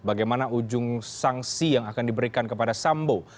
bagaimana ujung sanksi yang akan diberikan kepada sambo